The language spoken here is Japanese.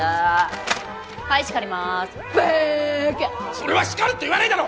それは叱るって言わないだろ！